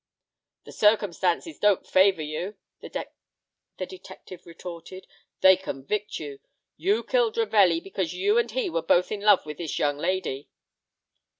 "The circumstances don't favor you," the detective retorted, "they convict you. You killed Ravelli because you and he were both in love with this young lady."